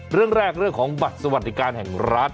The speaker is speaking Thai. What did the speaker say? เรื่องแรกเรื่องของบัตรสวัสดิการแห่งรัฐ